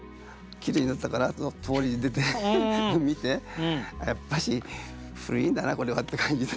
「きれいになったかな？」と通りに出て見て「やっぱし古いんだなこれは」って感じで。